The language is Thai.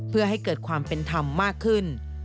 เพื่อให้เกิดความเป็นธรรมมากขึ้น